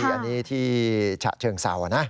อันนี้ที่ฉะเชิงเศร้านะ